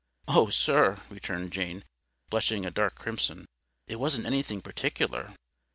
"Oh, sir!" returned Jane, blushing a dark crimson; "it wasn't anything particular."